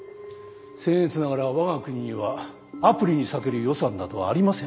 せん越ながら我が国にはアプリに割ける予算などありません。